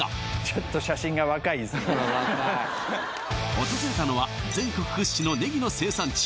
うん若い訪れたのは全国屈指のねぎの生産地